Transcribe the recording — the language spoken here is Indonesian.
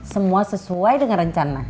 semua sesuai dengan rencana